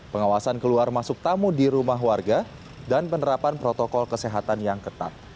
pengawasan keluar masuk tamu di rumah warga dan penerapan protokol kesehatan yang ketat